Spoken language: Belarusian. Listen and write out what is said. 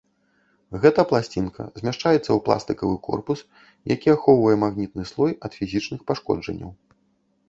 Гэта пласцінка змяшчаецца ў пластыкавы корпус, які ахоўвае магнітны слой ад фізічных пашкоджанняў.